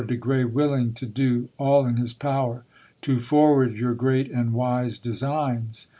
de Grey willing to do all in his power to forward your great and wise designs.